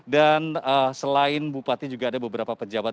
selain bupati juga ada beberapa pejabat